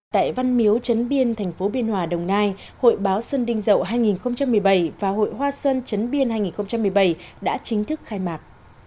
tại văn miếu trấn biên thành phố biên hòa đồng nai hội báo xuân đinh dậu hai nghìn một mươi bảy và hội hoa xuân trấn biên hai nghìn một mươi bảy đã chính thức khai mạc